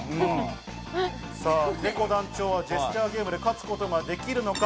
ねこ団長はジェスチャーゲームで勝つことができるか。